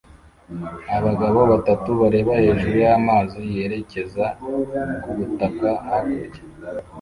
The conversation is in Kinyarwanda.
Abagabo batatu bareba hejuru y'amazi yerekeza kubutaka hakurya